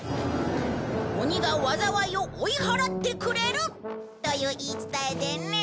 鬼が災いを追い払ってくれる！という言い伝えでね。